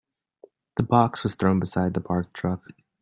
The box was thrown beside the parked truck.